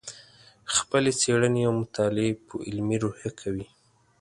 خپلې څېړنې او مطالعې په علمي روحیه کوې.